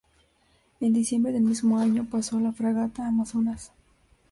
En diciembre del mismo año, pasó a la fragata "Amazonas".